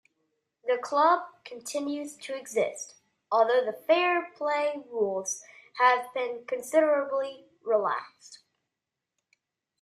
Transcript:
The club continues to exist, although the fair-play rules have been considerably relaxed.